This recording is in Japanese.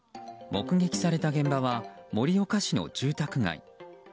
目撃された現場は盛岡市の住宅街。